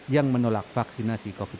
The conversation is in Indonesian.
yang menolak vaksinasi covid sembilan belas